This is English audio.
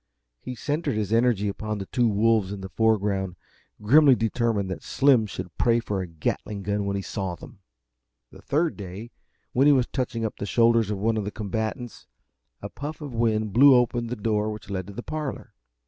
He centered his energy upon the two wolves in the foreground, grimly determined that Slim should pray for a Gatling gun when he saw them. The third day, when he was touching up the shoulders of one of the combatants, a puff of wind blew open the door which led to the parlor.